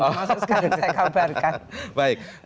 oh maksudnya sekarang saya kabarkan